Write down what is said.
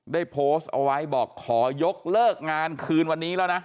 ได้โพสต์เอาไว้บอกขอยกเลิกงานคืนวันนี้แล้วนะ